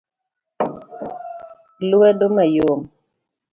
lwedo mayom